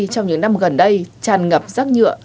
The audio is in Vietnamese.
trong những năm gần đây chàn ngập rác nhựa